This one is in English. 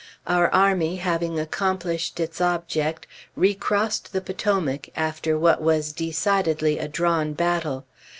Our army, having accomplished its object, recrossed the Potomac, after what was decidedly a drawn battle.